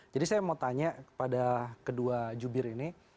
jadi saya mau tanya kepada kedua jubir ini